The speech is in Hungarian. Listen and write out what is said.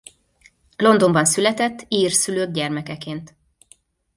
Londonban született ír szülők gyermekeként.